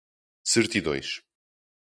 certidões